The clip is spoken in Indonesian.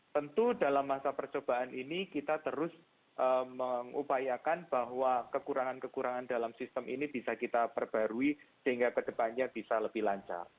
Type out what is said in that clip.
tentu dalam masa percobaan ini kita terus mengupayakan bahwa kekurangan kekurangan dalam sistem ini bisa kita perbarui sehingga ke depannya bisa lebih lancar